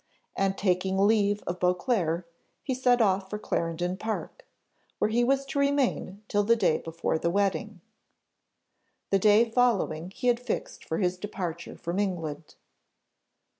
And taking leave of Beauclerc, he set off for Clarendon Park, where he was to remain till the day before the wedding; the day following he had fixed for his departure from England.